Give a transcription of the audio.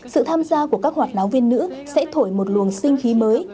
sự tham gia của các hoạt náo viên nữ sẽ thổi một luồng sinh khí mới